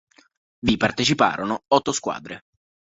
Vi parteciparono otto squadre.